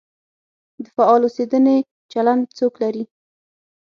د فعال اوسېدنې چلند څوک لري؟